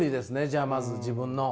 じゃあまず自分の。